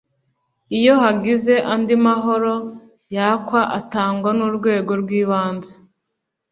Iyo hagize andi mahoro yakwa atagwa n’urwego rw’ibanze